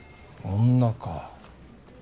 女か。